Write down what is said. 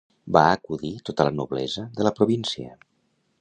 Va acudir tota la noblesa de la província.